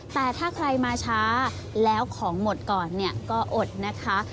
แต่ถ้าใครมาช้าแล้วของหมดก่อนเนี่ยก็อดนะคะ